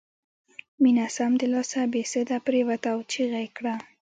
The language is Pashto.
مينه سمدلاسه بې سده پرېوته او چيغه یې کړه